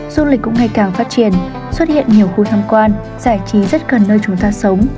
du lịch cũng ngày càng phát triển xuất hiện nhiều khu tham quan giải trí rất gần nơi chúng ta sống